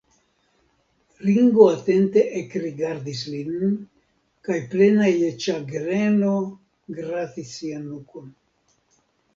Ringo atente ekrigardis lin kaj plena je ĉagreno gratis sian nukon.